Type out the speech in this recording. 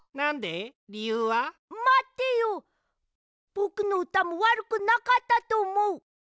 ぼくのうたもわるくなかったとおもう。